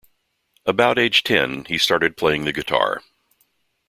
About age ten, he started playing the guitar.